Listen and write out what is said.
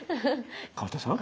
河田さん！